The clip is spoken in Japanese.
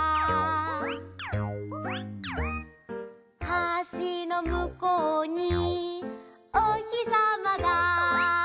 「橋のむこうにおひさまだ」